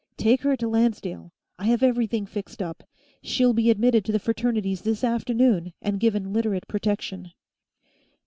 Take her to Lancedale. I have everything fixed up; she'll be admitted to the Fraternities this afternoon, and given Literate protection."